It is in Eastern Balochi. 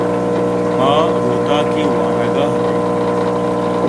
ما روتاکے وانگ ءَ اَت ایں۔